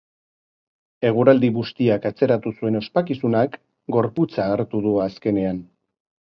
Eguraldi bustiak atzeratu zuen ospakizunak gorputza hartu du azkenean.